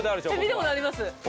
見たことあります